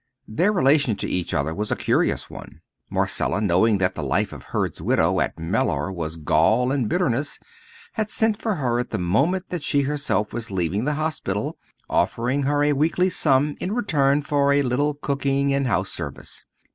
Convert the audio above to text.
Their relation to each other was a curious one. Marcella, knowing that the life of Hurd's widow at Mellor was gall and bitterness, had sent for her at the moment that she herself was leaving the hospital, offering her a weekly sum in return for a little cooking and house service.